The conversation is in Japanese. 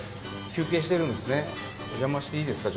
お邪魔していいですか？